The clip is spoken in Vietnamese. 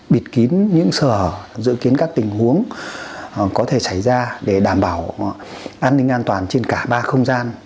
bịt kín những sở dự kiến các tình huống có thể xảy ra để đảm bảo an ninh an toàn trên cả ba không gian